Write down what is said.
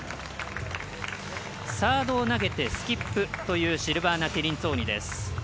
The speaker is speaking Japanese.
サードを投げてスキップというシルバーナ・ティリンツォーニ。